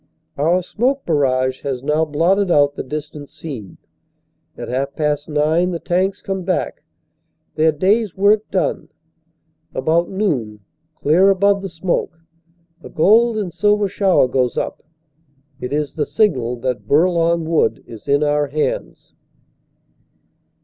Our smoke barrage has now blotted out the distant scene. At half past nine the tanks come back, their day s work done. About noon, clear above the smoke, a gold and silver shower goes up. It is the signal that Bourlon Wood is in our hands.